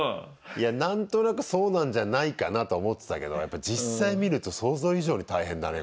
いや何となくそうなんじゃないかなとは思ってたけどやっぱり実際見ると想像以上に大変だね